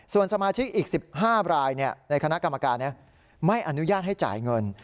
ส่วนสมาชิกอีก๑๕รายในคณะกรรมการไม่อนุญาตให้จ่ายเงิน